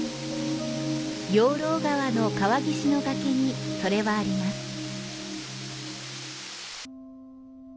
養老川の川岸の崖にそれはあります。